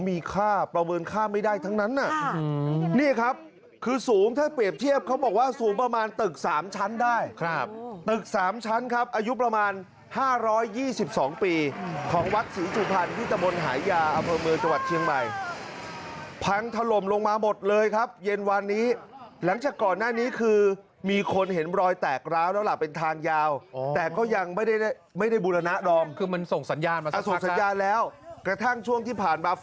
อ๋อมีค่าประเมินค่าไม่ได้ทั้งนั้นน่ะนี่ครับคือสูงถ้าเปรียบเทียบเขาบอกว่าสูงประมาณตึกสามชั้นได้ครับตึกสามชั้นครับอายุประมาณ๕๒๒ปีของวักษีจุภัณฑ์พิธบนหายาอเจมส์จังหวัดเชียงใหม่พังถล่มลงมาหมดเลยครับเย็นวานนี้หลังจากก่อนหน้านี้คือมีคนเห็นรอยแตกร้าวแล้วล่ะเป็